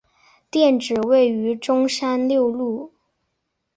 店址位于中山六路。